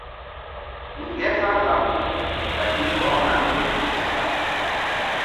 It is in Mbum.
Ŋgerzah laɓ nzuk ɓay hi̧ ɔkna ké tusiɓa.